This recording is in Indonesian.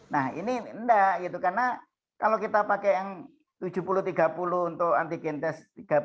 nah ini enggak gitu karena kalau kita pakai yang tujuh puluh tiga puluh untuk antigen tes tiga puluh